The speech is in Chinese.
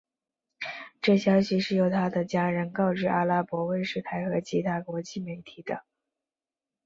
这消息是由他的家人告知阿拉伯卫视台和其他国际媒体的。